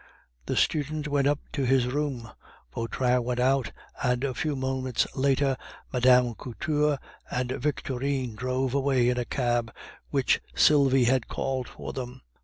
The student went up to his room. Vautrin went out, and a few moments later Mme. Couture and Victorine drove away in a cab which Sylvie had called for them.